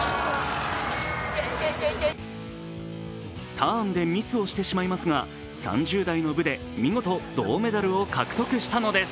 ターンでミスをしてしまいますが３０代の部で見事、銅メダルを獲得したのです。